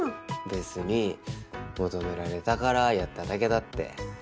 別に求められたからやっただけだって。